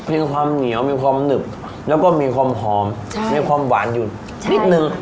มีความเหนียวมีความหนึบแล้วก็มีความหอมมีความหวานอยู่นิดนึง